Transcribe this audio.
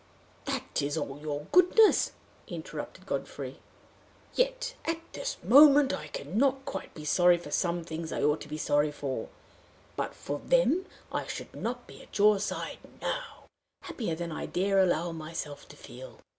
"That is all your goodness!" interrupted Godfrey. "Yet, at this moment, I can not quite be sorry for some things I ought to be sorry for: but for them I should not be at your side now happier than I dare allow myself to feel.